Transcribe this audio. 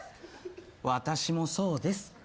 私もそうです。